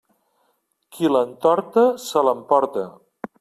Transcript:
Qui l'entorta, se l'emporta.